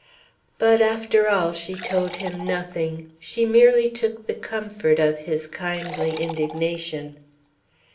But after all she told him nothing. She merely took the comfort of his kindly indignation.